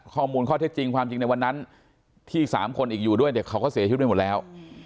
ข้อมูลข้อเท็จจริงความจริงในวันนั้นที่๓คนอีกอยู่ด้วยเด็กเขาก็เสียชีวิตไปหมดแล้ว